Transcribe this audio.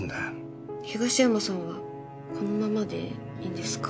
東山さんはこのままでいいんですか？